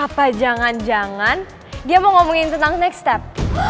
apa jangan jangan dia mau ngomongin tentang next step